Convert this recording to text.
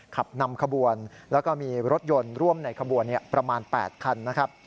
ขับนำขบวนแล้วก็มีรถยนต์ร่วมในขบวนประมาณ๘คันนะครับ